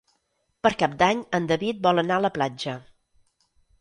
Per Cap d'Any en David vol anar a la platja.